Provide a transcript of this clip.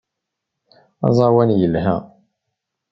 Aẓawan yelha.